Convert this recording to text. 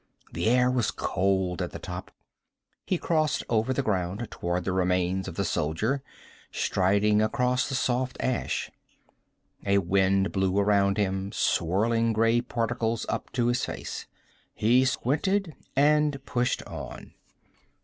The air was cold at the top. He crossed over the ground toward the remains of the soldier, striding across the soft ash. A wind blew around him, swirling gray particles up in his face. He squinted and pushed on.